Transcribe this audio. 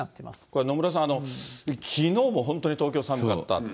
これ、野村さん、きのうも本当に東京、寒かった。